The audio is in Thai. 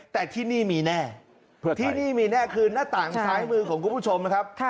แต่ที่นี่มีแน่ที่นี่มีแน่คือหน้าต่างซ้ายมือของคุณผู้ชมนะครับ